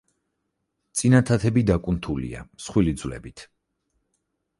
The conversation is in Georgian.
წინა თათები დაკუნთულია, მსხვილი ძვლებით.